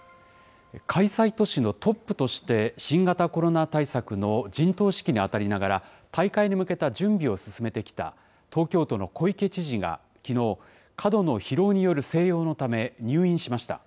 開催都市のトップとして、新型コロナ対策の陣頭指揮に当たりながら、大会に向けた準備を進めてきた東京都の小池知事がきのう、過度の疲労による静養のため入院しました。